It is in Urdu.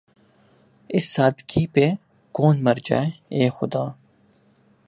اس سادگی پہ کون مر جائے‘ اے خدا!